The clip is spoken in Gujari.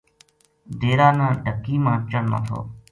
ڈیرا نا ڈھکی ما چڑھنو تھو